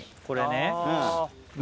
これね。